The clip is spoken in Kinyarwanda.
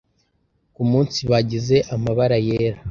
ku munsi bagize amabara yera,